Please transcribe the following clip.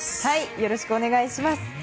よろしくお願いします。